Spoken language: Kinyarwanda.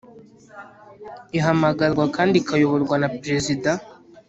Ihamagarwa kandi ikayoborwa na perezida